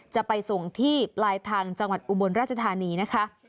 จะไปส่งที่ปลายทางจังหวัดอุบลราชธานีนะคะ